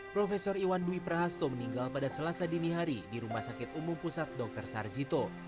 prof iwan dwi prahasto meninggal pada selasa dini hari di rumah sakit umum pusat dr sarjito